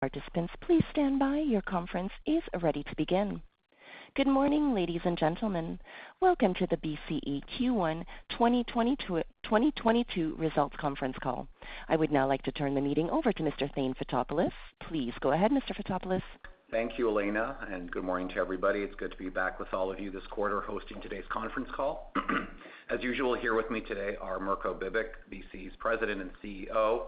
Participants, please stand by. Your conference is ready to begin. Good morning, ladies and gentlemen. Welcome to the BCE Q1 2022 2022 Results Conference Call. I would now like to turn the meeting over to Mr. Thane Fotopoulos. Please go ahead, Mr. Fotopoulos. Thank you, Elena, and good morning to everybody. It's good to be back with all of you this quarter hosting today's conference call. As usual, here with me today are Mirko Bibic, BCE's President and CEO,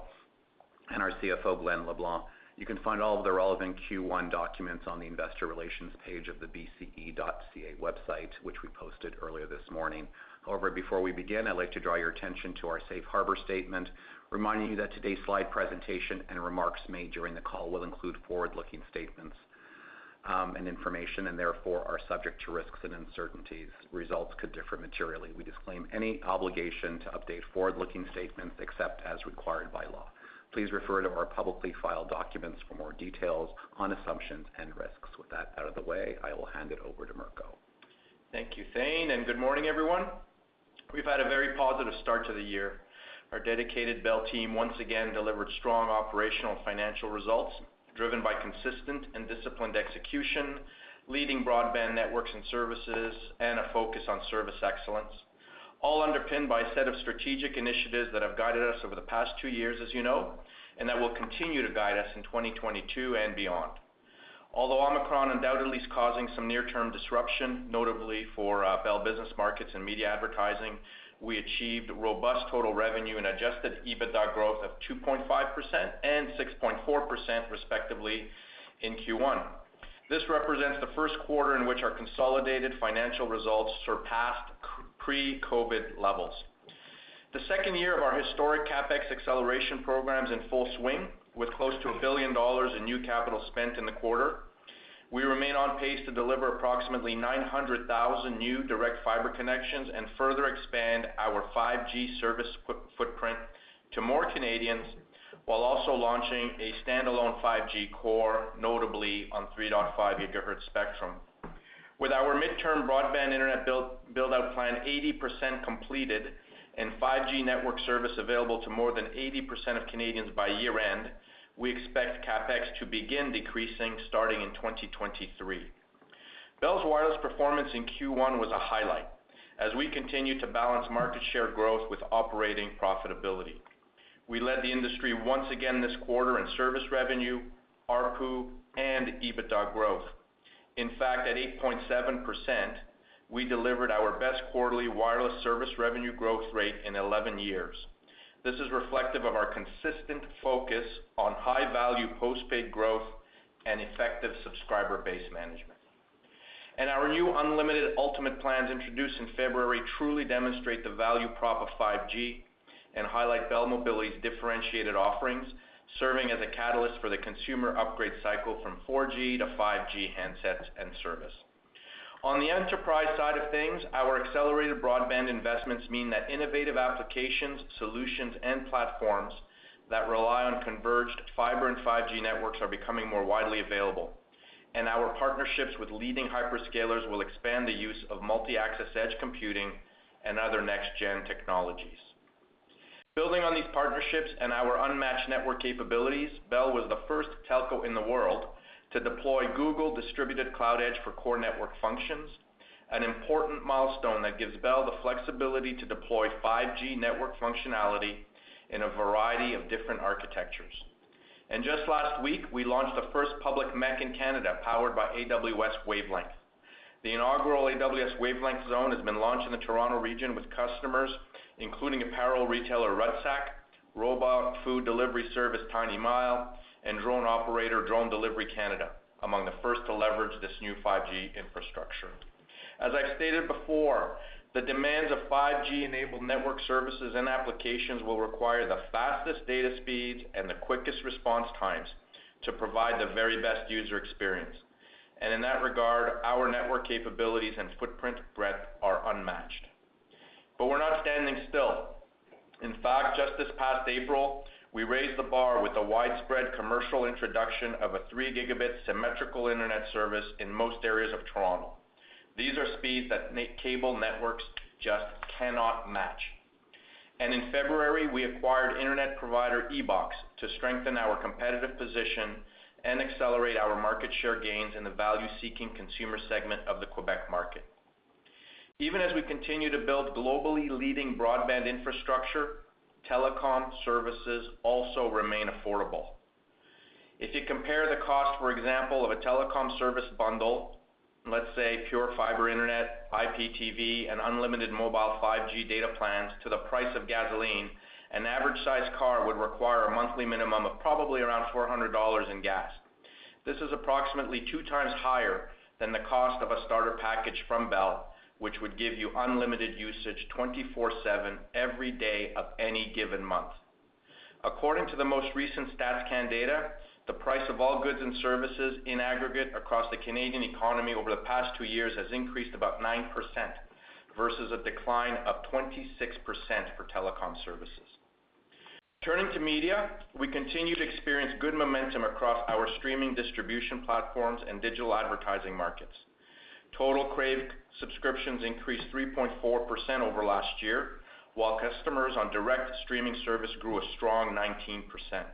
and our CFO, Glen LeBlanc. You can find all of the relevant Q1 documents on the investor relations page of the bce.ca website, which we posted earlier this morning. However, before we begin, I'd like to draw your attention to our safe harbor statement, reminding you that today's slide presentation and remarks made during the call will include forward-looking statements, and information, and therefore are subject to risks and uncertainties. Results could differ materially. We disclaim any obligation to update forward-looking statements except as required by law. Please refer to our publicly filed documents for more details on assumptions and risks. With that out of the way, I will hand it over to Mirko. Thank you, Thane, and good morning, everyone. We've had a very positive start to the year. Our dedicated Bell team once again delivered strong operational financial results, driven by consistent and disciplined execution, leading broadband networks and services, and a focus on service excellence, all underpinned by a set of strategic initiatives that have guided us over the past two years, as you know, and that will continue to guide us in 2022 and beyond. Although Omicron undoubtedly is causing some near-term disruption, notably for Bell Business Markets and media advertising, we achieved robust total revenue and adjusted EBITDA growth of 2.5% and 6.4%, respectively, in Q1. This represents the first quarter in which our consolidated financial results surpassed pre-COVID levels. The second year of our historic CapEx acceleration program is in full swing, with close to $1 billion in new capital spent in the quarter. We remain on pace to deliver approximately 900,000 new direct fiber connections and further expand our 5G service footprint to more Canadians, while also launching a standalone 5G core, notably on 3.5 gigahertz spectrum. With our midterm broadband internet build-out plan 80% completed and 5G network service available to more than 80% of Canadians by year-end, we expect CapEx to begin decreasing starting in 2023. Bell's wireless performance in Q1 was a highlight as we continued to balance market share growth with operating profitability. We led the industry once again this quarter in service revenue, ARPU, and EBITDA growth. In fact, at 8.7%, we delivered our best quarterly wireless service revenue growth rate in 11 years. This is reflective of our consistent focus on high-value postpaid growth and effective subscriber base management. Our new Unlimited Ultimate plans introduced in February truly demonstrate the value prop of 5G and highlight Bell Mobility's differentiated offerings, serving as a catalyst for the consumer upgrade cycle from 4G-5G handsets and service. On the enterprise side of things, our accelerated broadband investments mean that innovative applications, solutions, and platforms that rely on converged fiber and 5G networks are becoming more widely available, and our partnerships with leading hyperscalers will expand the use of multi-access edge computing and other next-gen technologies. Building on these partnerships and our unmatched network capabilities, Bell was the first telco in the world to deploy Google Distributed Cloud Edge for core network functions, an important milestone that gives Bell the flexibility to deploy 5G network functionality in a variety of different architectures. Just last week, we launched the first public MEC in Canada, powered by AWS Wavelength. The inaugural AWS Wavelength Zone has been launched in the Toronto region with customers, including apparel retailer, Roots, robot food delivery service, Tiny Mile, and drone operator, Drone Delivery Canada, among the first to leverage this new 5G infrastructure. As I've stated before, the demands of 5G-enabled network services and applications will require the fastest data speeds and the quickest response times to provide the very best user experience. In that regard, our network capabilities and footprint breadth are unmatched. We're not standing still. In fact, just this past April, we raised the bar with a widespread commercial introduction of a three-gigabit symmetrical internet service in most areas of Toronto. These are speeds that cable networks just cannot match. In February, we acquired internet provider EBOX to strengthen our competitive position and accelerate our market share gains in the value-seeking consumer segment of the Quebec market. Even as we continue to build globally leading broadband infrastructure, telecom services also remain affordable. If you compare the cost, for example, of a telecom service bundle, let's say pure fiber internet, IPTV, and unlimited mobile 5G data plans to the price of gasoline, an average-sized car would require a monthly minimum of probably around $400 in gas. This is approximately two times higher than the cost of a starter package from Bell, which would give you unlimited usage 24/7 every day of any given month. According to the most recent Statistics Canada data, the price of all goods and services in aggregate across the Canadian economy over the past two years has increased about 9% versus a decline of 26% for telecom services. Turning to media, we continue to experience good momentum across our streaming distribution platforms and digital advertising markets. Total Crave subscriptions increased 3.4% over last year, while customers on direct streaming service grew a strong 19%.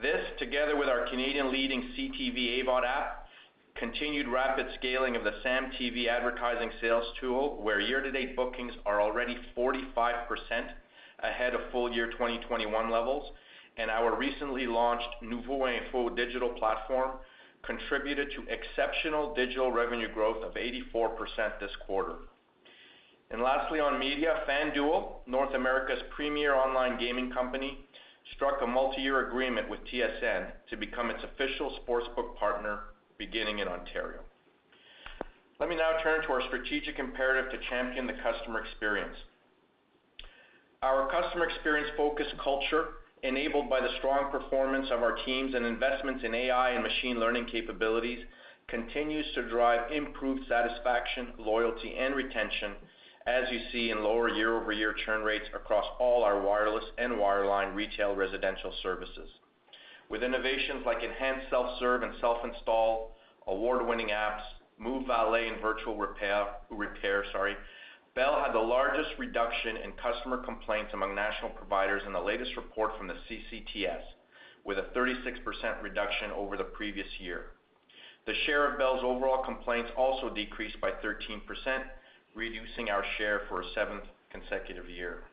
This, together with our Canadian leading CTV AVOD app, continued rapid scaling of the SAM TV advertising sales tool, where year-to-date bookings are already 45% ahead of full year 2021 levels. Our recently launched Noovo Info digital platform contributed to exceptional digital revenue growth of 84% this quarter. Lastly, on media, FanDuel, North America's premier online gaming company, struck a multi-year agreement with TSN to become its official sports book partner beginning in Ontario. Let me now turn to our strategic imperative to champion the customer experience. Our customer experience-focused culture, enabled by the strong performance of our teams and investments in AI and machine learning capabilities, continues to drive improved satisfaction, loyalty, and retention, as you see in lower year-over-year churn rates across all our wireless and wireline retail residential services. With innovations like enhanced self-serve and self-install, award-winning apps, Move Valet and virtual repair, Bell had the largest reduction in customer complaints among national providers in the latest report from the CCTS, with a 36% reduction over the previous year. The share of Bell's overall complaints also decreased by 13%, reducing our share for a seventh consecutive year.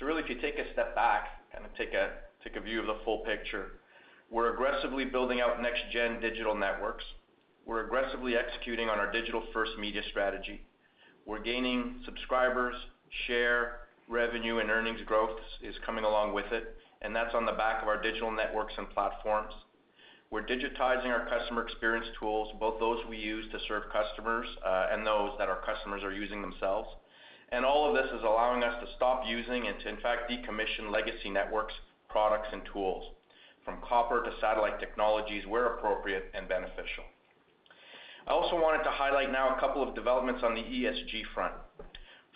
Really, if you take a step back and take a view of the full picture, we're aggressively building out next-gen digital networks. We're aggressively executing on our digital-first media strategy. We're gaining subscribers, share, revenue and earnings growth is coming along with it, and that's on the back of our digital networks and platforms. We're digitizing our customer experience tools, both those we use to serve customers, and those that our customers are using themselves. All of this is allowing us to stop using and to in fact decommission legacy networks, products and tools from copper to satellite technologies where appropriate and beneficial. I also wanted to highlight now a couple of developments on the ESG front.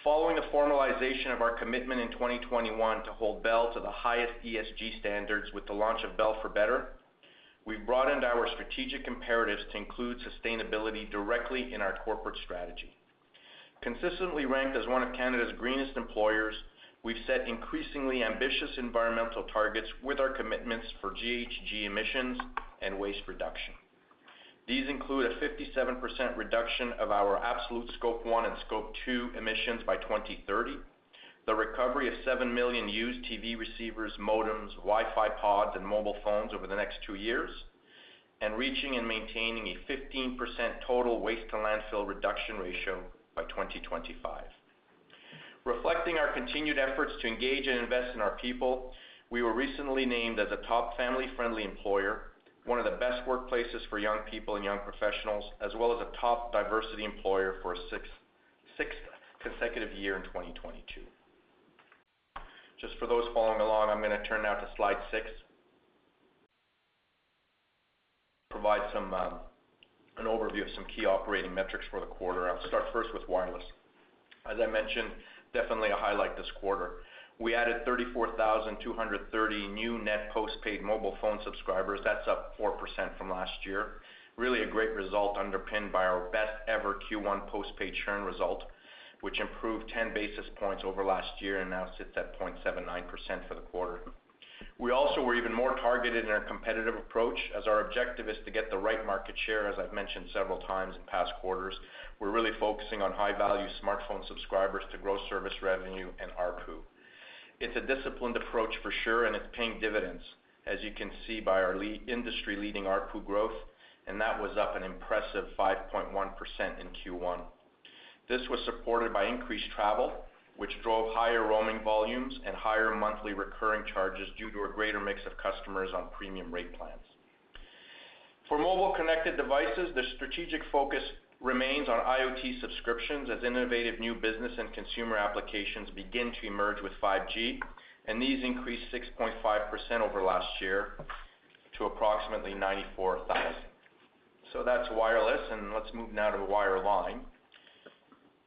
Following the formalization of our commitment in 2021 to hold Bell to the highest ESG standards with the launch of Bell for Better, we've broadened our strategic imperatives to include sustainability directly in our corporate strategy. Consistently ranked as one of Canada's greenest employers, we've set increasingly ambitious environmental targets with our commitments for GHG emissions and waste reduction. These include a 57% reduction of our absolute scope one and scope two emissions by 2030, the recovery of 7 million used TV receivers, modems, Wi-Fi pods and mobile phones over the next two years, and reaching and maintaining a 15% total waste to landfill reduction ratio by 2025. Reflecting our continued efforts to engage and invest in our people, we were recently named as a top family-friendly employer, one of the best workplaces for young people and young professionals, as well as a top diversity employer for a sixth consecutive year in 2022. Just for those following along, I'm gonna turn now to slide six. Provide an overview of some key operating metrics for the quarter. I'll start first with wireless. As I mentioned, definitely a highlight this quarter. We added 34,230 new net postpaid mobile phone subscribers. That's up 4% from last year. Really a great result underpinned by our best ever Q1 postpaid churn result, which improved 10 basis points over last year and now sits at 0.79% for the quarter. We also were even more targeted in our competitive approach, as our objective is to get the right market share, as I've mentioned several times in past quarters. We're really focusing on high-value smartphone subscribers to grow service revenue and ARPU. It's a disciplined approach for sure, and it's paying dividends, as you can see by our industry-leading ARPU growth, and that was up an impressive 5.1% in Q1. This was supported by increased travel, which drove higher roaming volumes and higher monthly recurring charges due to a greater mix of customers on premium rate plans. For mobile connected devices, the strategic focus remains on IoT subscriptions as innovative new business and consumer applications begin to emerge with 5G, and these increased 6.5% over last year to approximately 94,000. That's wireless, and let's move now to wireline.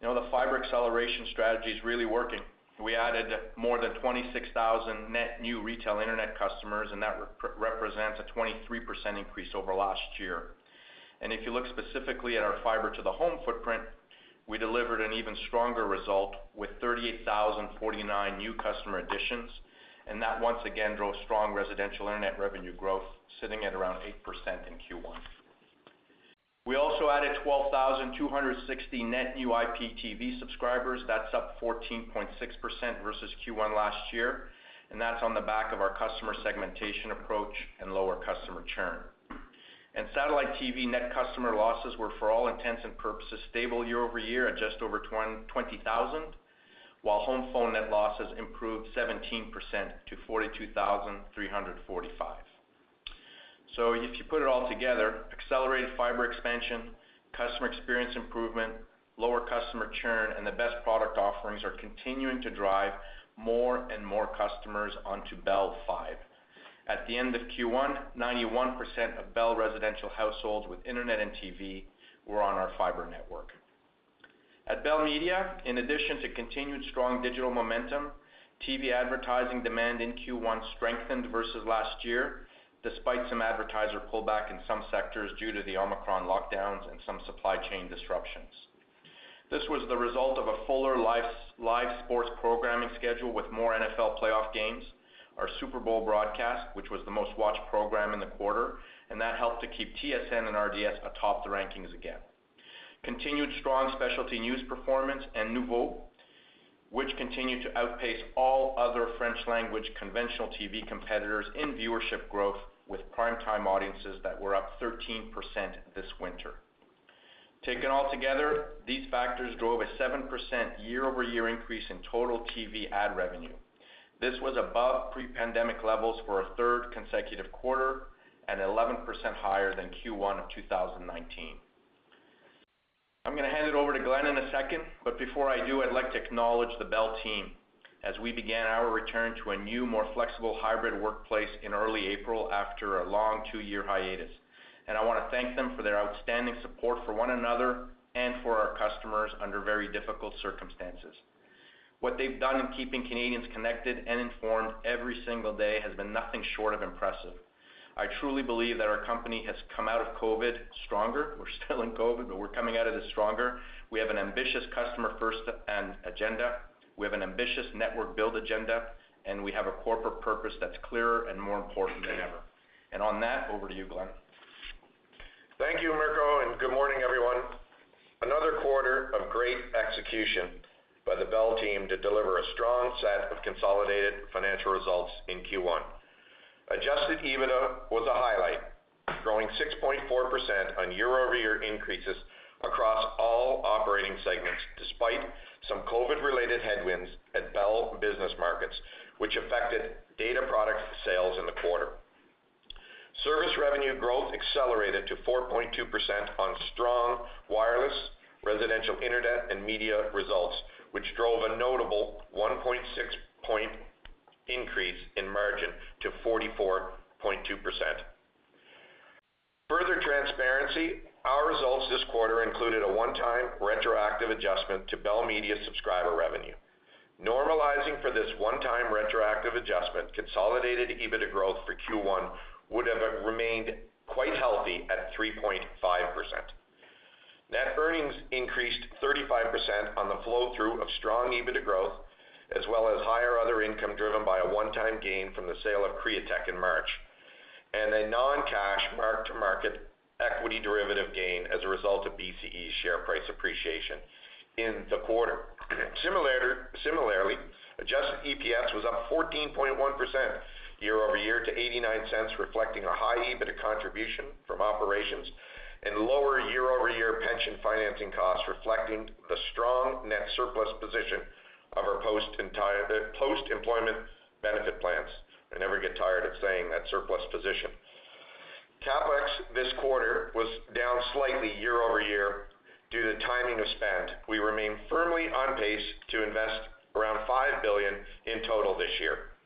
You know, the fiber acceleration strategy is really working. We added more than 26,000 net new retail internet customers, and that represents a 23% increase over last year. If you look specifically at our fiber to the home footprint, we delivered an even stronger result with 38,049 new customer additions. That once again drove strong residential internet revenue growth, sitting at around 8% in Q1. We also added 12,260 net new IPTV subscribers. That's up 14.6% versus Q1 last year, and that's on the back of our customer segmentation approach and lower customer churn. Satellite TV net customer losses were, for all intents and purposes, stable year over year at just over 20,000, while home phone net losses improved 17% to 42,345. If you put it all together, accelerated fiber expansion, customer experience improvement, lower customer churn, and the best product offerings are continuing to drive more and more customers onto Bell Fibe. At the end of Q1, 91% of Bell residential households with internet and TV were on our fiber network. At Bell Media, in addition to continued strong digital momentum, TV advertising demand in Q1 strengthened versus last year, despite some advertiser pullback in some sectors due to the Omicron lockdowns and some supply chain disruptions. This was the result of a fuller live sports programming schedule with more NFL playoff games. Our Super Bowl broadcast, which was the most watched program in the quarter, and that helped to keep TSN and RDS atop the rankings again. Continued strong specialty news performance and Noovo, which continued to outpace all other French language conventional TV competitors in viewership growth with primetime audiences that were up 13% this winter. Taken altogether, these factors drove a 7% year-over-year increase in total TV ad revenue. This was above pre-pandemic levels for a third consecutive quarter and 11% higher than Q1 of 2019. I'm gonna hand it over to Glenn in a second, but before I do, I'd like to acknowledge the Bell team as we began our return to a new, more flexible hybrid workplace in early April after a long two-year hiatus. I wanna thank them for their outstanding support for one another and for our customers under very difficult circumstances. What they've done in keeping Canadians connected and informed every single day has been nothing short of impressive. I truly believe that our company has come out of COVID stronger. We're still in COVID, but we're coming out of this stronger. We have an ambitious customer first and agenda. We have an ambitious network build agenda, and we have a corporate purpose that's clearer and more important than ever. On that, over to you, Glenn. Thank you, Mirko, and good morning, everyone. Another quarter of great execution by the Bell team to deliver a strong set of consolidated financial results in Q1. Adjusted EBITDA was a highlight, growing 6.4% on year-over-year increases across all operating segments, despite some COVID-related headwinds at Bell Business Markets, which affected data product sales in the quarter. Service revenue growth accelerated to 4.2% on strong wireless, residential internet, and media results, which drove a notable 1.6-point increase in margin to 44.2%. For further transparency, our results this quarter included a one-time retroactive adjustment to Bell Media subscriber revenue. Normalizing for this one-time retroactive adjustment, consolidated EBITDA growth for Q1 would have remained quite healthy at 3.5%. Net earnings increased 35% on the flow-through of strong EBITDA growth, as well as higher other income driven by a one-time gain from the sale of Createch in March, and a non-cash mark-to-market equity derivative gain as a result of BCE's share price appreciation in the quarter. Similarly, adjusted EPS was up 14.1% year-over-year to 0.89, reflecting a high EBITDA contribution from operations and lower year-over-year pension financing costs reflecting the strong net surplus position of our post-employment benefit plans. I never get tired of saying that surplus position. CapEx this quarter was down slightly year-over-year due to the timing of spend. We remain firmly on pace to invest around 5 billion in total this year.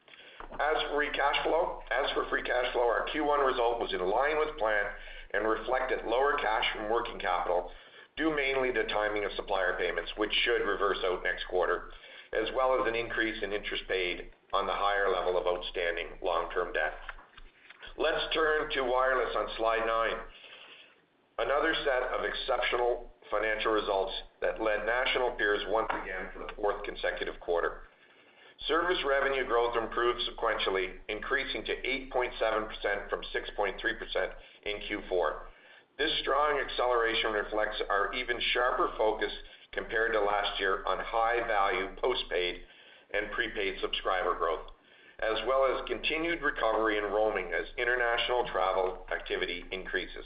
As for free cash flow, our Q1 result was in line with plan and reflected lower cash from working capital, due mainly to timing of supplier payments, which should reverse out next quarter, as well as an increase in interest paid on the higher level of outstanding long-term debt. Let's turn to wireless on slide nine. Another set of exceptional financial results that led national peers once again for the fourth consecutive quarter. Service revenue growth improved sequentially, increasing to 8.7% from 6.3% in Q4. This strong acceleration reflects our even sharper focus compared to last year on high-value postpaid and prepaid subscriber growth, as well as continued recovery in roaming as international travel activity increases.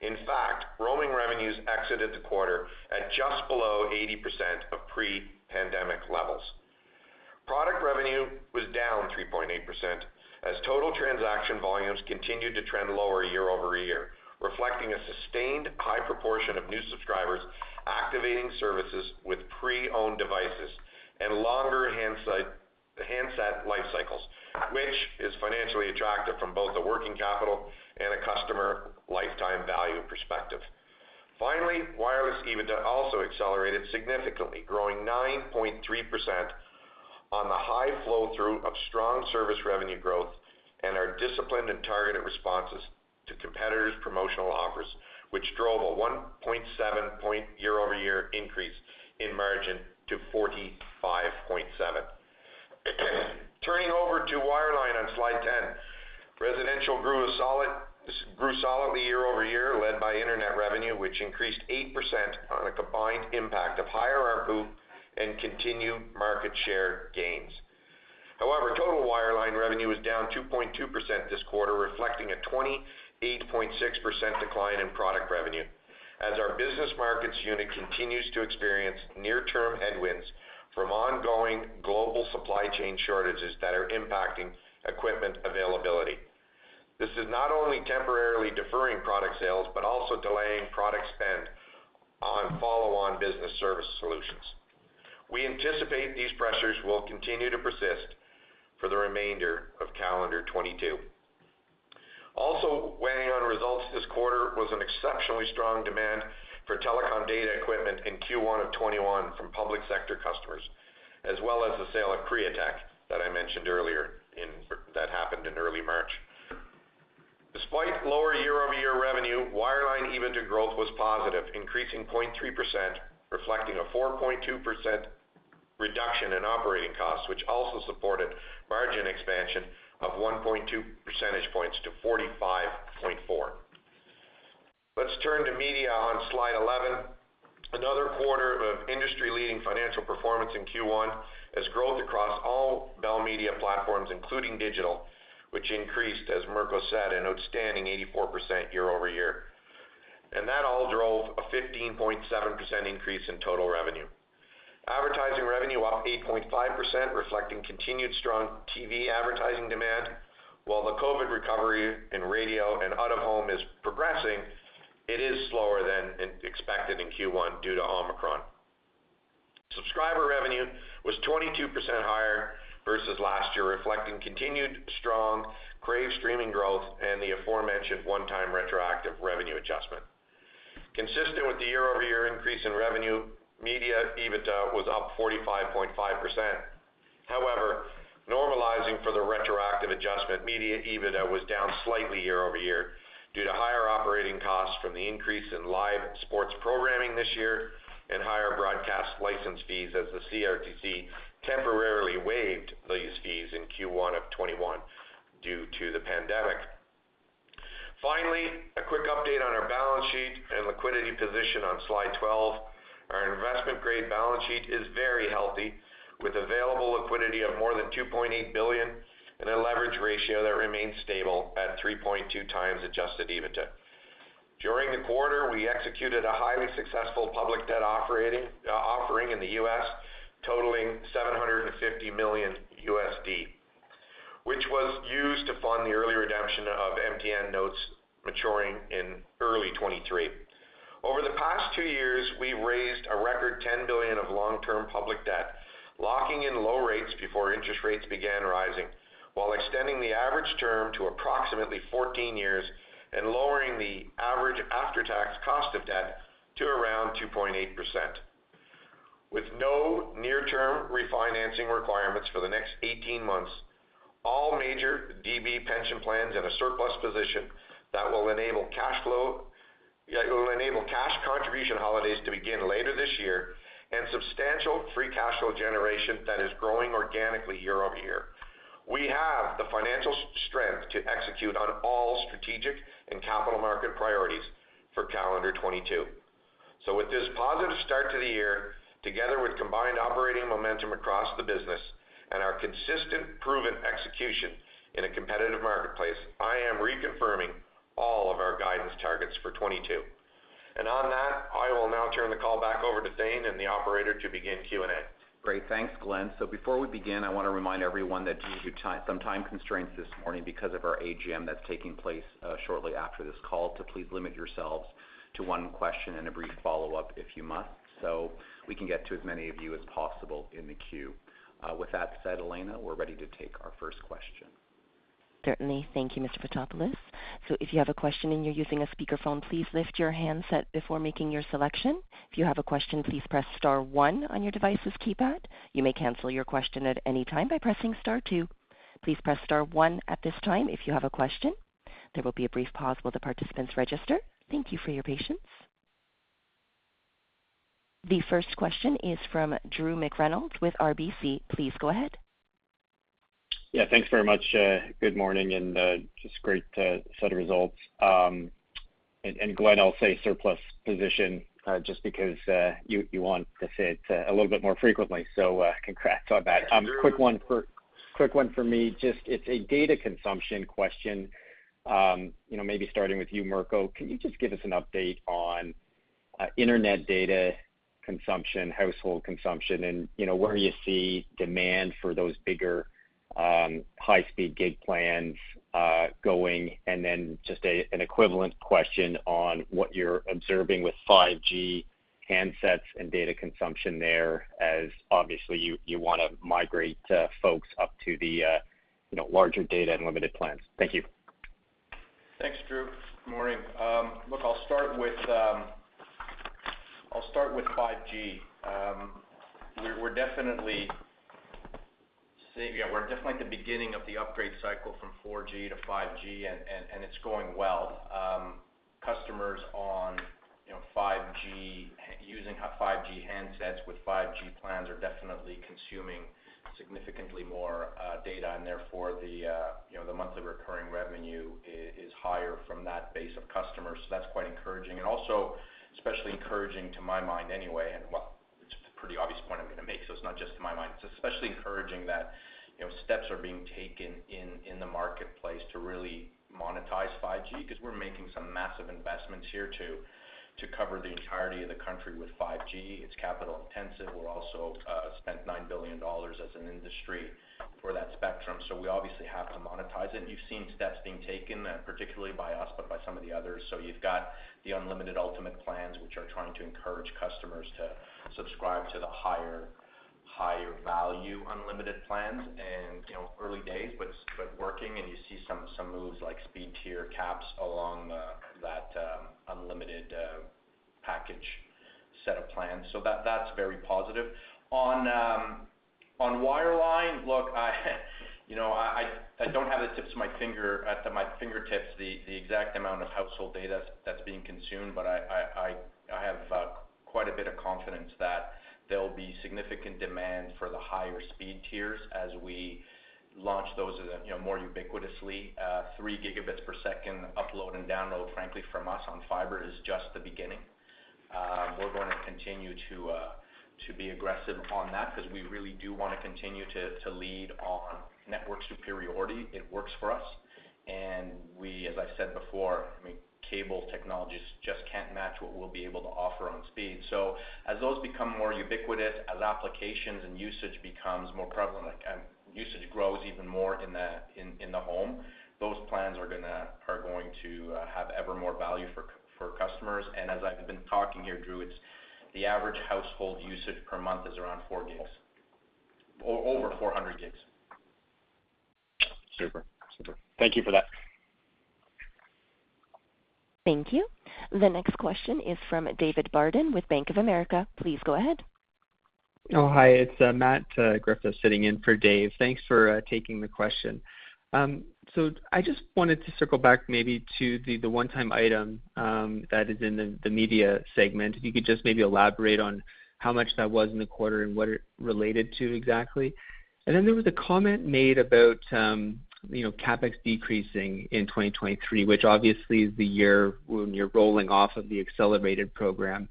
In fact, roaming revenues exited the quarter at just below 80% of pre-pandemic levels. Product revenue was down 3.8% as total transaction volumes continued to trend lower year-over-year, reflecting a sustained high proportion of new subscribers activating services with pre-owned devices and longer handset life cycles, which is financially attractive from both a working capital and a customer lifetime value perspective. Finally, wireless EBITDA also accelerated significantly, growing 9.3% on the high flow-through of strong service revenue growth and our disciplined and targeted responses to competitors' promotional offers, which drove a 1.7-point year-over-year increase in margin to 45.7%. Turning over to wireline on slide 10. Residential grew solidly year-over-year, led by internet revenue, which increased 8% on a combined impact of higher ARPU and continued market share gains. However, total wireline revenue was down 2.2% this quarter, reflecting a 28.6% decline in product revenue as our business markets unit continues to experience near-term headwinds from ongoing global supply chain shortages that are impacting equipment availability. This is not only temporarily deferring product sales, but also delaying product spend on follow-on business service solutions. We anticipate these pressures will continue to persist for the remainder of calendar 2022. Also weighing on results this quarter was an exceptionally strong demand for telecom data equipment in Q1 of 2021 from public sector customers, as well as the sale of Createch that I mentioned earlier that happened in early March. Despite lower year-over-year revenue, Wireline EBITDA growth was positive, increasing 0.3%, reflecting a 4.2% reduction in operating costs, which also supported margin expansion of 1.2 percentage points to 45.4%. Let's turn to Media on slide 11. Another quarter of industry-leading financial performance in Q1 as growth across all Bell Media platforms, including digital, which increased, as Mirko said, an outstanding 84% year-over-year. That all drove a 15.7% increase in total revenue. Advertising revenue up 8.5%, reflecting continued strong TV advertising demand. While the COVID recovery in radio and out-of-home is progressing, it is slower than expected in Q1 due to Omicron. Subscriber revenue was 22% higher versus last year, reflecting continued strong Crave streaming growth and the aforementioned one-time retroactive revenue adjustment. Consistent with the year-over-year increase in revenue, Media EBITDA was up 45.5%. However, normalizing for the retroactive adjustment, Media EBITDA was down slightly year over year due to higher operating costs from the increase in live sports programming this year and higher broadcast license fees as the CRTC temporarily waived these fees in Q1 of 2021 due to the pandemic. Finally, a quick update on our balance sheet and liquidity position on slide 12. Our investment-grade balance sheet is very healthy, with available liquidity of more than 2.8 billion and a leverage ratio that remains stable at 3.2x adjusted EBITDA. During the quarter, we executed a highly successful public debt offering in the U.S., totaling $750 million USD, which was used to fund the early redemption of MTN notes maturing in early 2023. Over the past two years, we've raised a record 10 billion of long-term public debt, locking in low rates before interest rates began rising, while extending the average term to approximately 14 years and lowering the average after-tax cost of debt to around 2.8%. With no near-term refinancing requirements for the next 18 months, all major DB pension plans in a surplus position that will enable cash contribution holidays to begin later this year and substantial free cash flow generation that is growing organically year-over-year. We have the financial strength to execute on all strategic and capital market priorities for calendar 2022. With this positive start to the year, together with combined operating momentum across the business and our consistent proven execution in a competitive marketplace, I am reconfirming all of our guidance targets for 2022. On that, I will now turn the call back over to Thane and the operator to begin Q&A. Great. Thanks, Glen. Before we begin, I wanna remind everyone that due to some time constraints this morning because of our AGM that's taking place shortly after this call, to please limit yourselves to one question and a brief follow-up if you must, so we can get to as many of you as possible in the queue. With that said, Elena, we're ready to take our first question. Certainly. Thank you, Mr. Fotopoulos. If you have a question and you're using a speakerphone, please lift your handset before making your selection. If you have a question, please press star one on your device's keypad. You may cancel your question at any time by pressing star two. Please press star one at this time if you have a question. There will be a brief pause while the participants register. Thank you for your patience. The first question is from Drew McReynolds with RBC. Please go ahead. Yeah. Thanks very much. Good morning, and just great set of results. Glen, I'll say surplus position just because you want to say it a little bit more frequently, so congrats on that. Quick one for me, just it's a data consumption question. You know, maybe starting with you, Mirko, can you just give us an update on internet data consumption, household consumption, and you know, where you see demand for those bigger high-speed gig plans going? Then an equivalent question on what you're observing with 5G handsets and data consumption there, as obviously you wanna migrate folks up to the you know, larger data unlimited plans. Thank you. Thanks, Drew. Good morning. Look, I'll start with 5G. We're definitely at the beginning of the upgrade cycle from 4G to 5G and it's going well. Customers on, you know, 5G using 5G handsets with 5G plans are definitely consuming significantly more data, and therefore the, you know, the monthly recurring revenue is higher from that base of customers, so that's quite encouraging. Also especially encouraging to my mind anyway, and well, it's a pretty obvious point I'm gonna make, so it's not just to my mind. It's especially encouraging that, you know, steps are being taken in the marketplace to really monetize 5G 'cause we're making some massive investments here to cover the entirety of the country with 5G. It's capital intensive. We'll also spend 9 billion as an industry for that spectrum, so we obviously have to monetize it. You've seen steps being taken, particularly by us, but by some of the others. You've got the Unlimited Ultimate plans, which are trying to encourage customers to subscribe to the higher Higher value unlimited plans and, you know, early days, but working and you see some moves like speed tier caps along the unlimited package set of plans. That's very positive. On wireline, look, you know, I don't have at my fingertips the exact amount of household data that's being consumed, but I have quite a bit of confidence that there'll be significant demand for the higher speed tiers as we launch those, you know, more ubiquitously. three gigabits per second upload and download, frankly, from us on fiber is just the beginning. We're gonna continue to be aggressive on that because we really do wanna continue to lead on network superiority. It works for us. We, as I said before, I mean, cable technologies just can't match what we'll be able to offer on speed. As those become more ubiquitous, as applications and usage becomes more prevalent and usage grows even more in the home, those plans are going to have ever more value for customers. As I've been talking here, Drew, it's the average household usage per month is around four gigs. Over 400 gigs. Super. Thank you for that. Thank you. The next question is from David Barden with Bank of America. Please go ahead. Oh, hi. It's Matt Griffiths sitting in for Dave. Thanks for taking the question. I just wanted to circle back maybe to the one-time item that is in the media segment. If you could just maybe elaborate on how much that was in the quarter and what it related to exactly. There was a comment made about you know CapEx decreasing in 2023, which obviously is the year when you're rolling off of the accelerated program.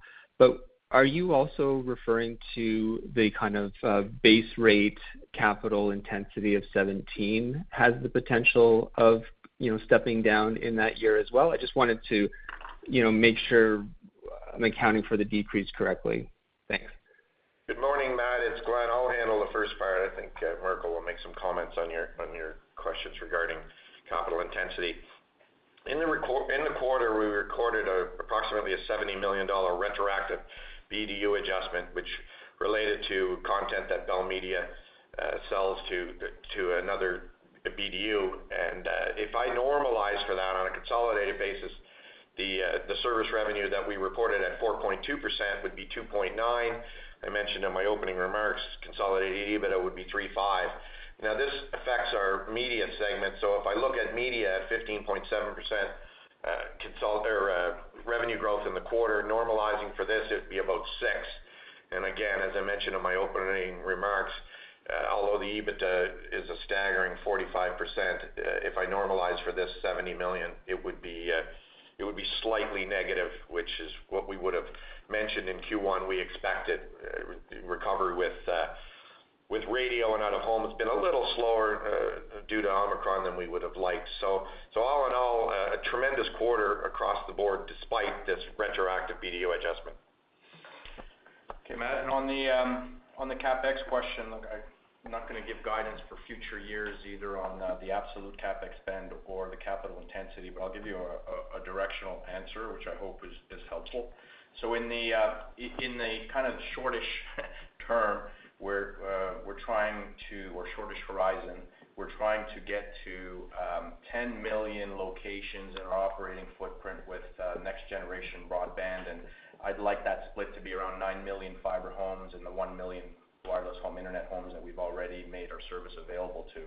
Are you also referring to the kind of base rate capital intensity of 17% has the potential of you know stepping down in that year as well? I just wanted to you know make sure I'm accounting for the decrease correctly. Thanks. Good morning, Matt. It's Glen. I'll handle the first part. I think Mirko will make some comments on your questions regarding capital intensity. In the quarter, we recorded approximately a $70 million retroactive BDU adjustment, which related to content that Bell Media sells to another BDU. If I normalize for that on a consolidated basis, the service revenue that we reported at 4.2% would be 2.9%. I mentioned in my opening remarks, consolidated EBITDA would be 3.5%. Now, this affects our media segment. If I look at media at 15.7% consolidated revenue growth in the quarter, normalizing for this, it'd be about 6%. Again, as I mentioned in my opening remarks, although the EBITDA is a staggering 45%, if I normalize for this 70 million, it would be slightly negative, which is what we would have mentioned in Q1. We expected recovery with radio and out-of-home. It's been a little slower due to Omicron than we would have liked. All in all, a tremendous quarter across the board despite this retroactive BDU adjustment. Okay, Matt, on the CapEx question, look, I'm not gonna give guidance for future years either on the absolute CapEx spend or the capital intensity, but I'll give you a directional answer, which I hope is helpful. In the kind of short-ish term or short-ish horizon, we're trying to get to 10 million locations in our operating footprint with next generation broadband. I'd like that split to be around 9 million fiber homes and the 1 million wireless home internet homes that we've already made our service available to.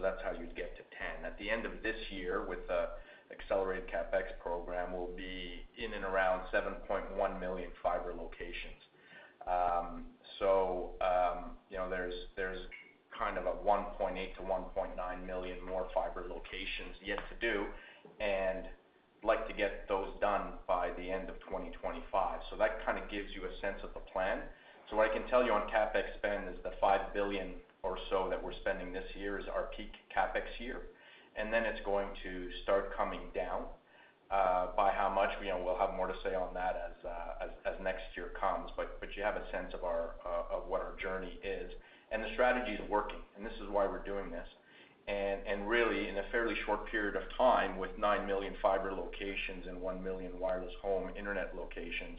That's how you'd get to 10. At the end of this year with the accelerated CapEx program, we'll be in and around 7.1 million fiber locations. You know, there's kind of a 1.8-1.9 million more fiber locations yet to do, and like to get those done by the end of 2025. That kind of gives you a sense of the plan. What I can tell you on CapEx spend is the 5 billion or so that we're spending this year is our peak CapEx year, and then it's going to start coming down. By how much, you know, we'll have more to say on that as next year comes. You have a sense of our of what our journey is. The strategy is working, and this is why we're doing this. Really, in a fairly short period of time, with 9 million fiber locations and 1 million wireless home internet locations,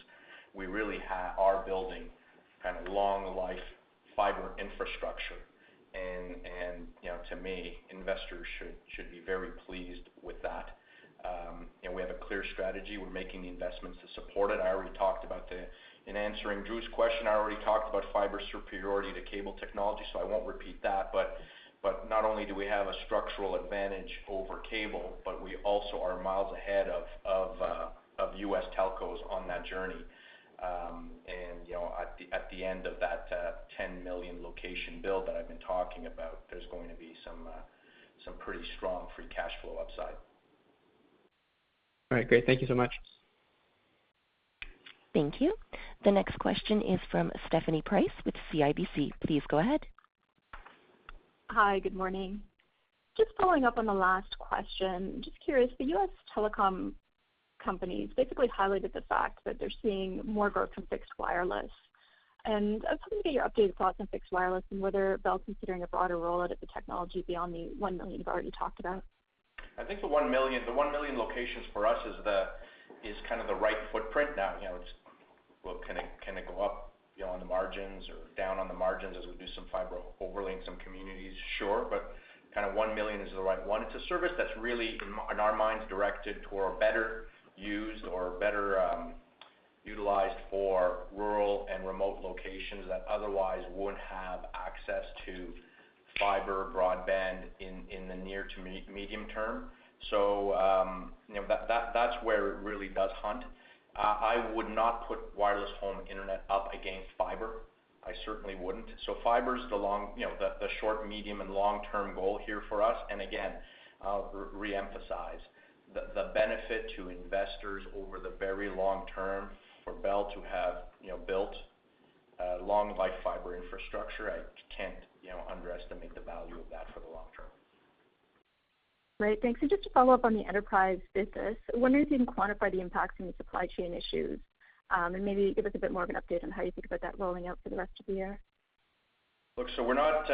we really are building kind of long life fiber infrastructure. You know, to me, investors should be very pleased with that. You know, we have a clear strategy. We're making the investments to support it. In answering Drew's question, I already talked about fiber superiority to cable technology, so I won't repeat that. Not only do we have a structural advantage over cable, but we also are miles ahead of U.S. telcos on that journey. You know, at the end of that 10 million location build that I've been talking about, there's going to be some pretty strong free cash flow upside. All right, great. Thank you so much. Thank you. The next question is from Stephanie Price with CIBC. Please go ahead. Hi. Good morning. Just following up on the last question, just curious, the U.S. telecom companies basically highlighted the fact that they're seeing more growth in fixed wireless. I was hoping to get your updated thoughts on fixed wireless and whether Bell's considering a broader rollout of the technology beyond the 1 million you've already talked about. I think the 1 million locations for us is kind of the right footprint. Now, you know, can it go up, you know, on the margins or down on the margins as we do some fiber overlay in some communities? Sure. Kind of 1 million is the right one. It's a service that's really, in our minds, directed toward better use or better utilized for rural and remote locations that otherwise would have access to fiber broadband in the near to medium term. You know, that's where it really does hunt. I would not put wireless home internet up against fiber. I certainly wouldn't. Fiber is the long, you know, the short, medium, and long-term goal here for us. Again, I'll re-emphasize the benefit to investors over the very long term for Bell to have, you know, built a long life fiber infrastructure. I can't, you know, underestimate the value of that for the long term. Great. Thanks. Just to follow up on the enterprise business, I'm wondering if you can quantify the impacts in the supply chain issues, and maybe give us a bit more of an update on how you think about that rolling out for the rest of the year. Look, we're not,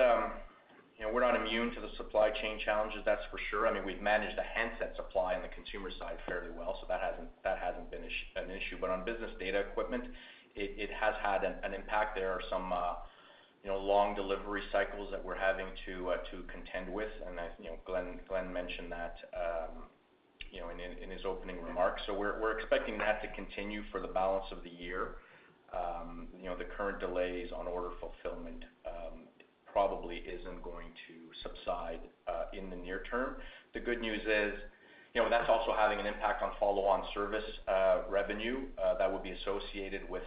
you know, immune to the supply chain challenges, that's for sure. I mean, we've managed the handset supply on the consumer side fairly well, so that hasn't been an issue. On business data equipment, it has had an impact. There are some, you know, long delivery cycles that we're having to contend with. As you know, Glen mentioned that, you know, in his opening remarks. We're expecting that to continue for the balance of the year. You know, the current delays on order fulfillment probably isn't going to subside in the near term. The good news is, you know, that's also having an impact on follow-on service revenue that would be associated with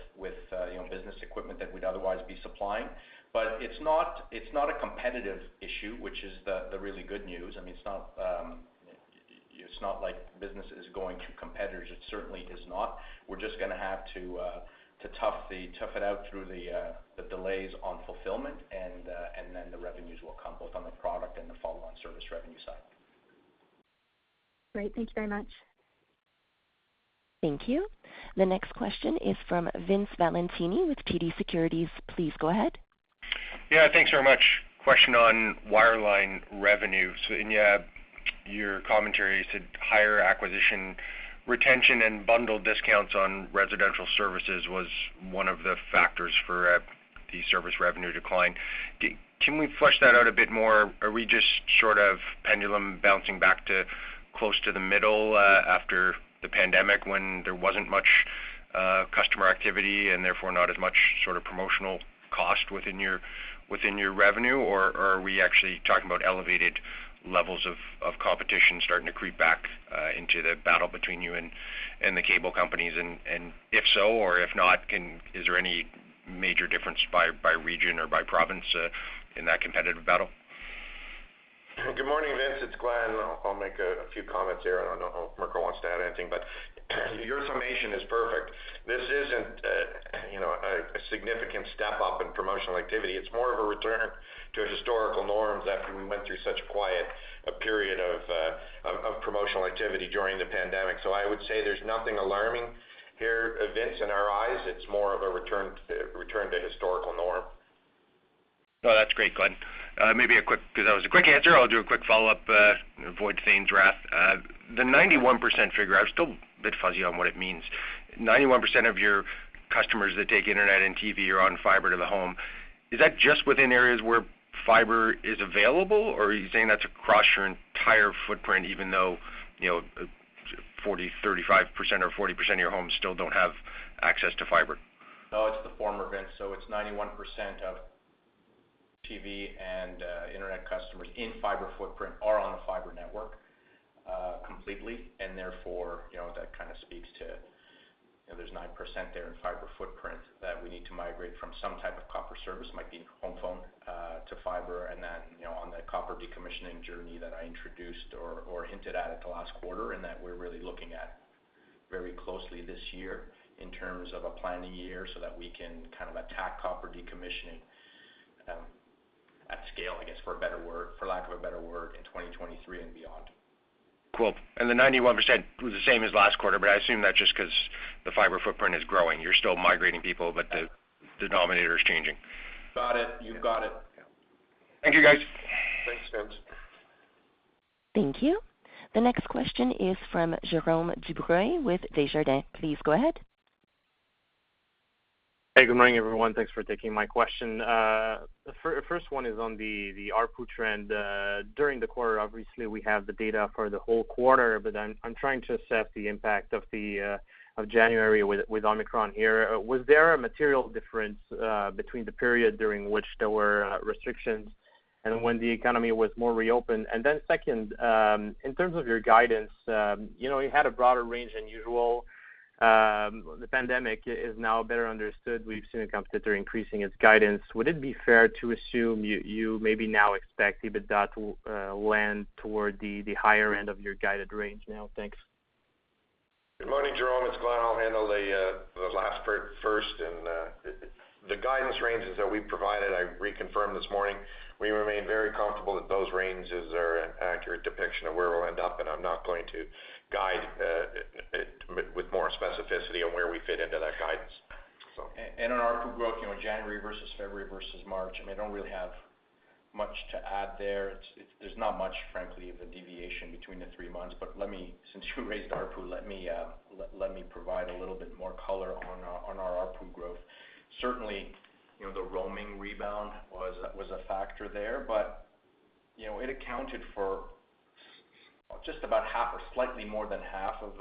you know, business equipment that we'd otherwise be supplying. It's not a competitive issue, which is the really good news. I mean, it's not like business is going to competitors. It certainly is not. We're just gonna have to tough it out through the delays on fulfillment, and then the revenues will come both on the product and the follow-on service revenue side. Great. Thank you very much. Thank you. The next question is from Vince Valentini with TD Securities. Please go ahead. Yeah. Thanks very much. Question on wireline revenue. In your commentary, you said higher acquisition retention and bundled discounts on residential services was one of the factors for the service revenue decline. Can we flush that out a bit more? Are we just sort of pendulum bouncing back to close to the middle after the pandemic when there wasn't much customer activity and therefore not as much sort of promotional cost within your revenue? Or are we actually talking about elevated levels of competition starting to creep back into the battle between you and the cable companies? If so or if not, is there any major difference by region or by province in that competitive battle? Good morning, Vince. It's Glen. I'll make a few comments here, and I don't know if Mirko wants to add anything. Your summation is perfect. This isn't a you know significant step up in promotional activity. It's more of a return to historical norms after we went through such a quiet period of promotional activity during the pandemic. I would say there's nothing alarming here, Vince, in our eyes. It's more of a return to historical norm. No, that's great, Glen. Maybe a quick, 'cause that was a quick answer, I'll do a quick follow-up, avoid Thane's wrath. The 91% figure, I'm still a bit fuzzy on what it means. 91% of your customers that take internet and TV are on fiber to the home. Is that just within areas where fiber is available, or are you saying that's across your entire footprint even though, you know, 40, 35% or 40% of your homes still don't have access to fiber? No, it's the former, Vince. So it's 91% of TV and internet customers in fiber footprint are on a fiber network completely. Therefore, you know, that kind of speaks to, you know, there's 9% there in fiber footprint that we need to migrate from some type of copper service, might be home phone, to fiber. Then, you know, on the copper decommissioning journey that I introduced or hinted at the last quarter and that we're really looking at very closely this year in terms of a planning year so that we can kind of attack copper decommissioning at scale, I guess, for a better word, for lack of a better word, in 2023 and beyond. Cool. The 91% was the same as last quarter, but I assume that's just 'cause the fiber footprint is growing. You're still migrating people, but the denominator is changing. Got it. You've got it. Thank you, guys. Thanks, Vince. Thank you. The next question is from Jérôme Dubreuil with Desjardins. Please go ahead. Hey, good morning, everyone. Thanks for taking my question. The first one is on the ARPU trend. During the quarter, obviously, we have the data for the whole quarter, but I'm trying to assess the impact of January with Omicron here. Was there a material difference between the period during which there were restrictions and when the economy was more reopened? Second, in terms of your guidance, you know, you had a broader range than usual. The pandemic is now better understood. We've seen a competitor increasing its guidance. Would it be fair to assume you maybe now expect EBITDA to land toward the higher end of your guided range now? Thanks. Good morning, Jérôme. It's Glen. I'll handle the last part first. The guidance ranges that we provided, I reconfirmed this morning, we remain very comfortable that those ranges are an accurate depiction of where we'll end up, and I'm not going to guide it with more specificity on where we fit into that guidance. On ARPU growth, you know, January versus February versus March, I mean, I don't really have much to add there. There's not much, frankly, of a deviation between the three months. Let me, since you raised ARPU, let me provide a little bit more color on our ARPU growth. Certainly, you know, the roaming rebound was a factor there. You know, it accounted for just about half or slightly more than half of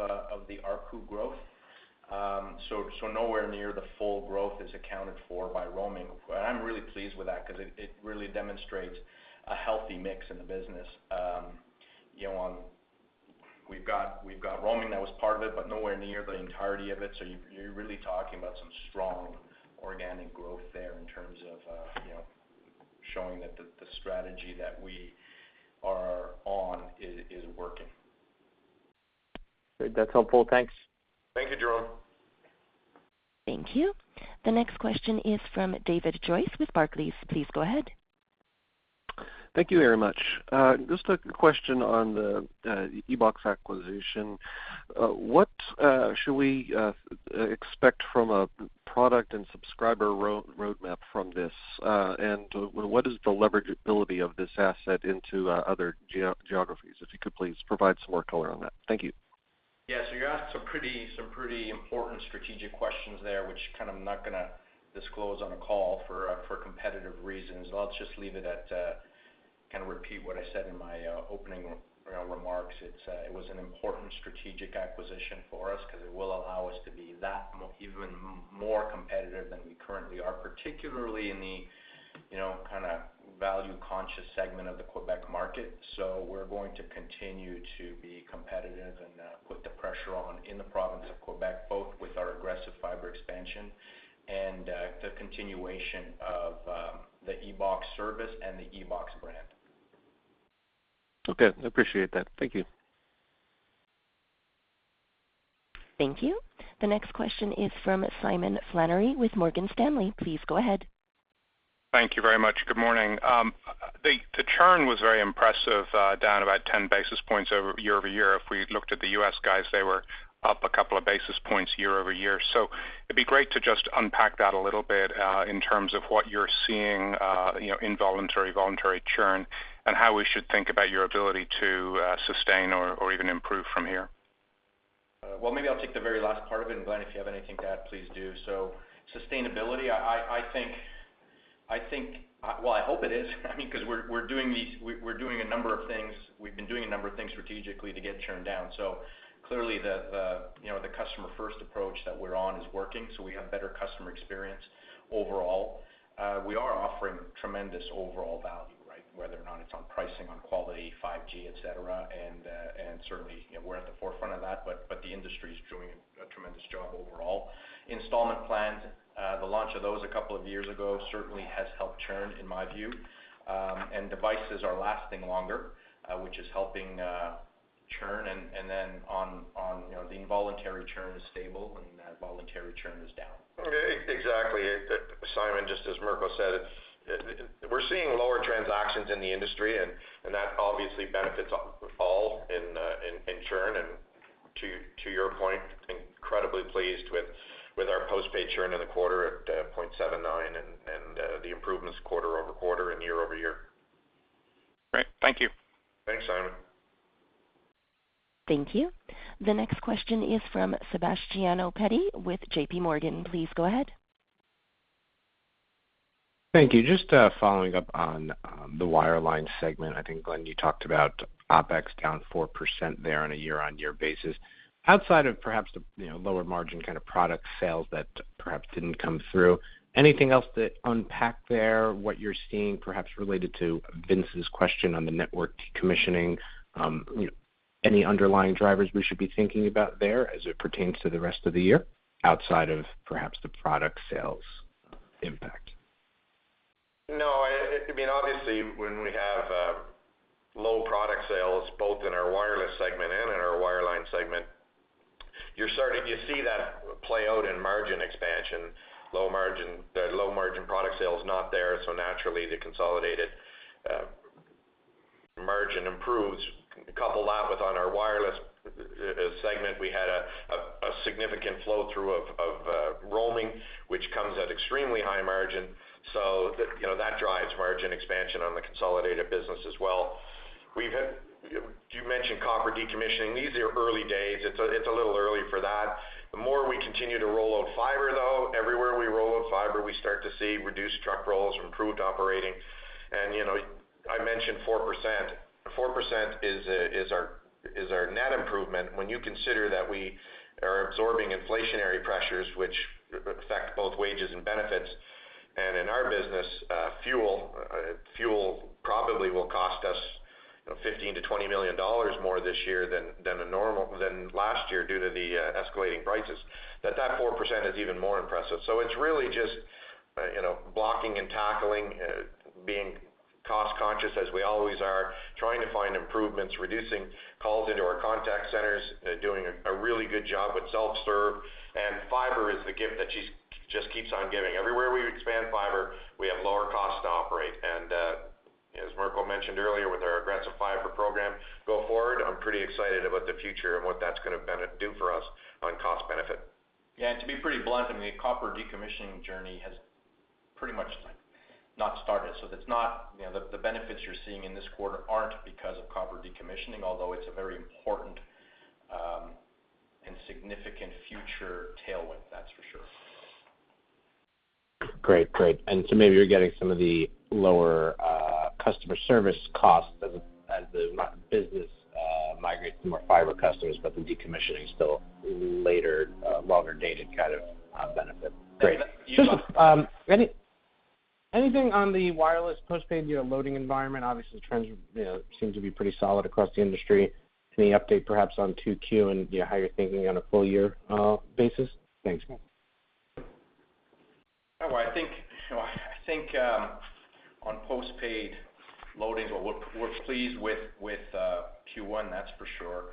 the ARPU growth. Nowhere near the full growth is accounted for by roaming. I'm really pleased with that 'cause it really demonstrates a healthy mix in the business. You know, we've got roaming that was part of it, but nowhere near the entirety of it, so you're really talking about some strong organic growth there in terms of, you know, showing that the strategy that we are on is working. Great. That's helpful. Thanks. Thank you, Jérôme. Thank you. The next question is from David Joyce with Barclays. Please go ahead. Thank you very much. Just a question on the EBOX acquisition. What should we expect from a product and subscriber roadmap from this? What is the leverageability of this asset into other geographies? If you could please provide some more color on that. Thank you. Yeah. You asked some pretty important strategic questions there, which kind I'm not gonna disclose on a call for competitive reasons. I'll just leave it at, kinda repeat what I said in my opening, you know, remarks. It was an important strategic acquisition for us 'cause it will allow us to be even more competitive than we currently are, particularly in the, you know, kinda value-conscious segment of the Quebec market. We're going to continue to be competitive and put the pressure on in the province of Quebec, both with our aggressive fiber expansion and the continuation of the EBOX service and the EBOX brand. Okay, I appreciate that. Thank you. Thank you. The next question is from Simon Flannery with Morgan Stanley. Please go ahead. Thank you very much. Good morning. The churn was very impressive, down about 10 basis points year-over-year. If we looked at the US guys, they were up a couple of basis points year-over-year. It'd be great to just unpack that a little bit, in terms of what you're seeing, you know, involuntary, voluntary churn, and how we should think about your ability to sustain or even improve from here. Well, maybe I'll take the very last part of it, and Glen, if you have anything to add, please do. Sustainability, I think. Well, I hope it is, I mean, 'cause we're doing a number of things. We've been doing a number of things strategically to get churn down. Clearly, you know, the customer-first approach that we're on is working, so we have better customer experience overall. We are offering tremendous overall value, right? Whether or not it's on pricing, on quality, 5G, et cetera, and certainly, you know, we're at the forefront of that, but the industry is doing a tremendous job overall. Installment plans, the launch of those a couple of years ago certainly has helped churn in my view. Devices are lasting longer, which is helping churn and then on, you know, the involuntary churn is stable and voluntary churn is down. Yeah, exactly. Simon, just as Mirko said, it's. We're seeing lower transactions in the industry and that obviously benefits all in churn. To your point, incredibly pleased with our postpaid churn in the quarter at 0.79% and the improvements quarter-over-quarter and year-over-year. Great. Thank you. Thanks, Simon. Thank you. The next question is from Sebastiano Petti with J.P. Morgan. Please go ahead. Thank you. Just following up on the wireline segment. I think, Glen, you talked about OpEx down 4% there on a year-on-year basis. Outside of perhaps the, you know, lower margin kind of product sales that perhaps didn't come through, anything else to unpack there, what you're seeing perhaps related to Vince's question on the network decommissioning? Any underlying drivers we should be thinking about there as it pertains to the rest of the year outside of perhaps the product sales impact? No. I mean, obviously, when we have low product sales both in our wireless segment and in our wireline segment, you're starting to see that play out in margin expansion. Low margin, the low-margin product sale is not there, so naturally the consolidated margin improves. Couple that with, on our wireless segment, we had a significant flow-through of roaming, which comes at extremely high margin. You know, that drives margin expansion on the consolidated business as well. You mentioned copper decommissioning. These are early days. It's a little early for that. The more we continue to roll out fiber, though, everywhere we roll out fiber, we start to see reduced truck rolls, improved operating. You know, I mentioned 4%. 4% is our net improvement. When you consider that we are absorbing inflationary pressures which affect both wages and benefits, and in our business, fuel probably will cost us, you know, $15 million-$20 million more this year than last year due to the escalating prices, that 4% is even more impressive. It's really just, you know, blocking and tackling, being cost-conscious as we always are, trying to find improvements, reducing calls into our contact centers, doing a really good job with self-serve. Fiber is the gift that just keeps on giving. Everywhere we expand fiber, we have lower cost to operate. As Mirko mentioned earlier with our aggressive fiber program going forward, I'm pretty excited about the future and what that's gonna benefit for us on cost benefit. Yeah. To be pretty blunt, I mean, the copper decommissioning journey has pretty much, like, not started. It's not, you know, the benefits you're seeing in this quarter aren't because of copper decommissioning, although it's a very important and significant future tailwind, that's for sure. Great. Maybe you're getting some of the lower customer service costs as the wireline business migrates to more fiber customers, but the decommissioning still later longer dated kind of benefit. Great. Yeah. Just, anything on the wireless postpaid, you know, loading environment? Obviously, trends, you know, seem to be pretty solid across the industry. Any update perhaps on 2Q and, you know, how you're thinking on a full year basis? Thanks. I think, you know, on postpaid loadings, we're pleased with Q1, that's for sure.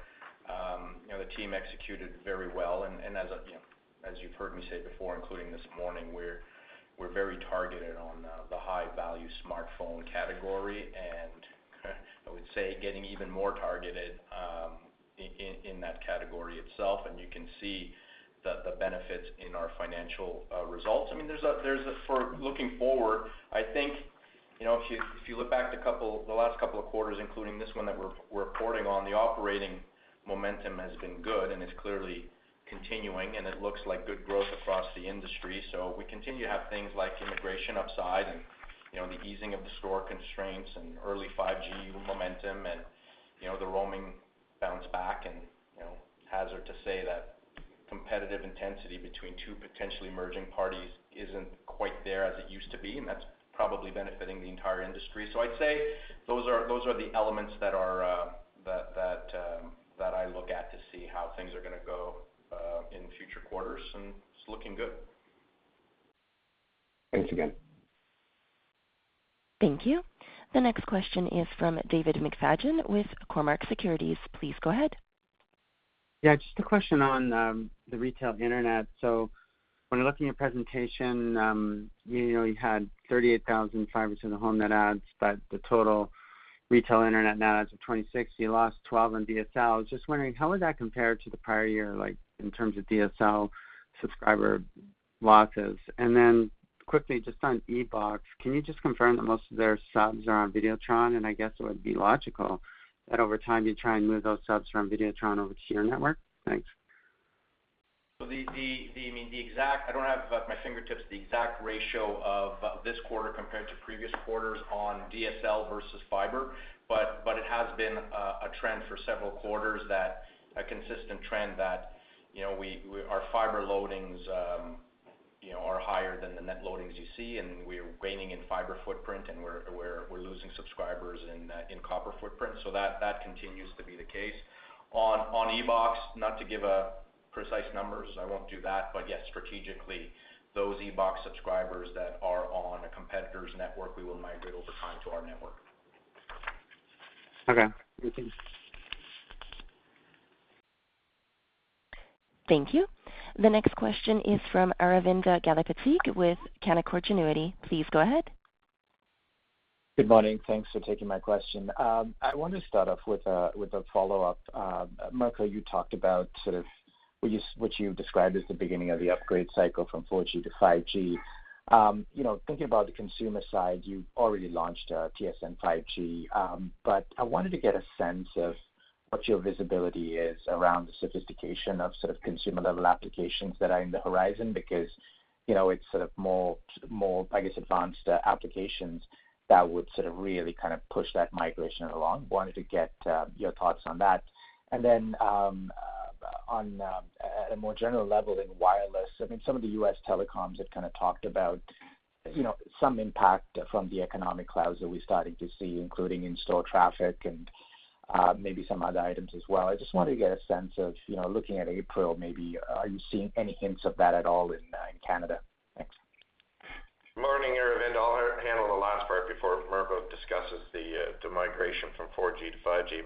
You know, the team executed very well. As you've heard me say before, including this morning, we're very targeted on the high-value smartphone category. I would say getting even more targeted in that category itself, and you can see the benefits in our financial results. I mean, for looking forward, I think, you know, if you look back the last couple of quarters, including this one that we're reporting on, the operating momentum has been good, and it's clearly continuing, and it looks like good growth across the industry. We continue to have things like immigration upside and, you know, the easing of the store constraints and early 5G momentum and, you know, the roaming bounce back and, you know, hard to say that competitive intensity between two potentially merging parties isn't quite there as it used to be, and that's probably benefiting the entire industry. I'd say those are the elements that are that I look at to see how things are gonna go in future quarters, and it's looking good. Thanks again. Thank you. The next question is from David McFadgen with Cormark Securities. Please go ahead. Yeah, just a question on the retail internet. When looking at presentation, you know, you had 38,000 fiber to the home net adds, but the total retail internet net adds of 26, you lost 12 in DSL. Just wondering how would that compare to the prior year, like in terms of DSL subscriber losses? Then quickly, just on EBOX, can you just confirm that most of their subs are on Vidéotron? I guess it would be logical that over time, you try and move those subs from Vidéotron over to your network. Thanks. I mean, I don't have at my fingertips the exact ratio of this quarter compared to previous quarters on DSL versus fiber. It has been a consistent trend for several quarters that, you know, our fiber loadings, you know, are higher than the net loadings you see, and we're gaining in fiber footprint, and we're losing subscribers in copper footprint. That continues to be the case. On EBOX, not to give precise numbers, I won't do that, but yes, strategically, those EBOX subscribers that are on a competitor's network, we will migrate over time to our network. Okay. Thank you. The next question is from Aravinda Galappatthige with Canaccord Genuity. Please go ahead. Good morning. Thanks for taking my question. I want to start off with a follow-up. Mirko, you talked about sort of what you described as the beginning of the upgrade cycle from 4G to 5G. You know, thinking about the consumer side, you've already launched TSN 5G. But I wanted to get a sense of what your visibility is around the sophistication of sort of consumer-level applications that are in the horizon because, you know, it's sort of more, I guess, advanced applications that would sort of really kind of push that migration along. Wanted to get your thoughts on that. On at a more general level in wireless, I mean, some of the U.S. telecoms have kinda talked about, you know, some impact from the economic clouds that we're starting to see, including in-store traffic and maybe some other items as well. I just wanted to get a sense of, you know, looking at April maybe, are you seeing any hints of that at all in Canada? Thanks. Morning, Aravinda. I'll handle the last part before Mirko discusses the migration from 4G to 5G.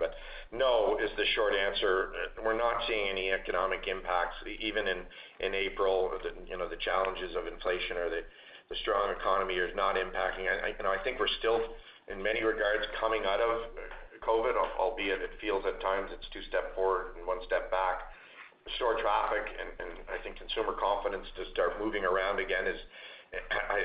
No is the short answer. We're not seeing any economic impacts even in April. You know, the challenges of inflation or the strong economy is not impacting. You know, I think we're still, in many regards, coming out of COVID, albeit it feels at times it's two step forward and one step back. The store traffic and I think consumer confidence to start moving around again is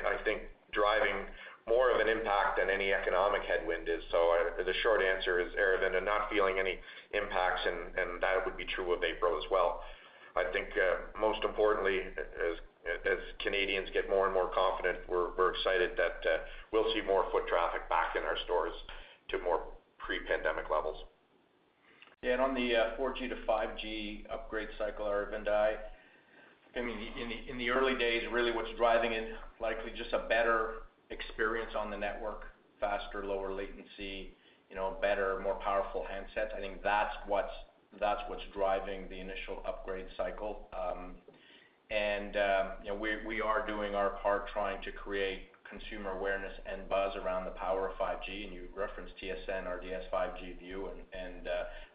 I think driving more of an impact than any economic headwind is. The short answer is, Aravinda, not feeling any impacts, and that would be true of April as well. I think, most importantly, as Canadians get more and more confident, we're excited that we'll see more foot traffic back in our stores to more pre-pandemic levels. Yeah. On the 4G -5G upgrade cycle, Aravinda, I mean, in the early days, really what's driving it, likely just a better experience on the network, faster, lower latency, you know, better, more powerful handsets. I think that's what's driving the initial upgrade cycle. You know, we are doing our part trying to create consumer awareness and buzz around the power of 5G, and you referenced TSN or the 5G View, and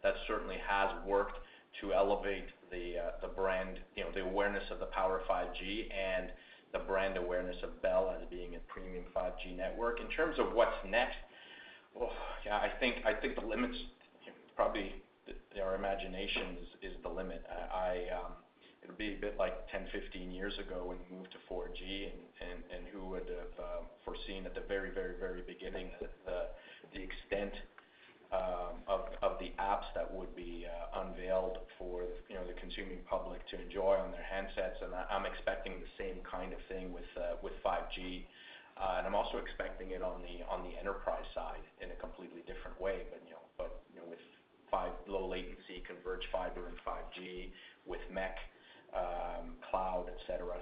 that certainly has worked to elevate the brand, you know, the awareness of the power of 5G and the brand awareness of Bell as being a premium 5G network. In terms of what's next. Oh, yeah, I think the limit is probably our imaginations. It'll be a bit like 10, 15 years ago when you moved to 4G and who would have foreseen at the very beginning the extent of the apps that would be unveiled for, you know, the consuming public to enjoy on their handsets. I'm expecting the same kind of thing with 5G. I'm also expecting it on the enterprise side in a completely different way. You know, with 5G low latency, converged fiber and 5G with MEC cloud, et cetera.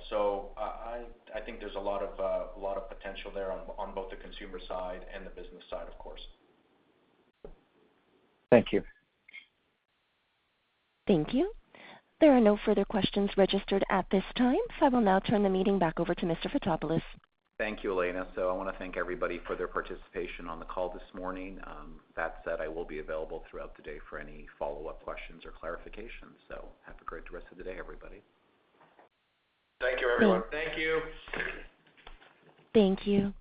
I think there's a lot of potential there on both the consumer side and the business side, of course. Thank you. Thank you. There are no further questions registered at this time. I will now turn the meeting back over to Mr. Fotopoulos. Thank you, Elena. I wanna thank everybody for their participation on the call this morning. That said, I will be available throughout the day for any follow-up questions or clarifications. Have a great rest of the day, everybody. Thank you, everyone. Thank you. Thank you.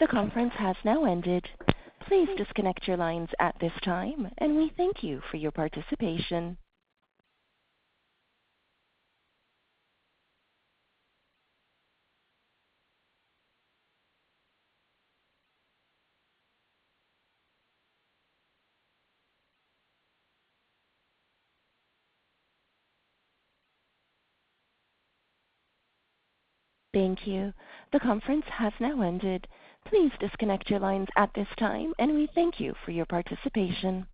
The conference has now ended. Please disconnect your lines at this time, and we thank you for your participation. Thank you. The conference has now ended. Please disconnect your lines at this time, and we thank you for your participation.